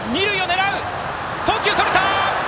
送球それた！